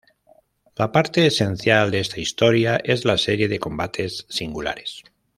La parte esencial de esta historia es la serie de combates singulares.